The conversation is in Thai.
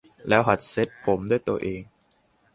แล้วหัดเซตผมด้วยตัวเอง